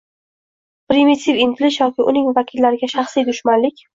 primitiv intilish yoki uning vakillariga shaxsiy dushmanlik